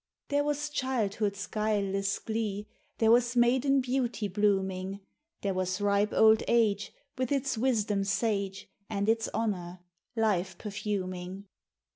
There was childhood's guileless glee, There was maiden beauty blooming; There was ripe old age, With its wisdom sage, And its honour, life perfuming.